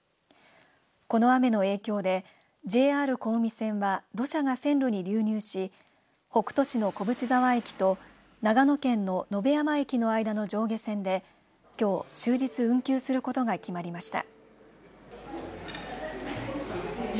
この雨の影響でＪＲ小海線は土砂が線路に流入し北杜市の小淵沢駅と長野県の野辺山駅の間の上下線できょう終日運休することが決まりました。